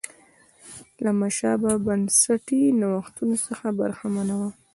له مشابه بنسټي نوښتونو څخه برخمنه وه.